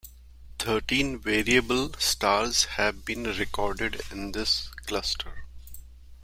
Thirteen variable stars have been recorded in this cluster.